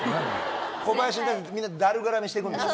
小林にみんなだる絡みして行くんですよ。